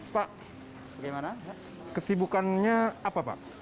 pak kesibukannya apa pak